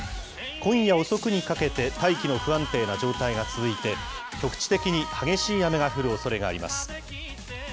今夜遅くにかけて大気の不安定な状態が続いて、局地的に激しい雨が降るおそれがあります。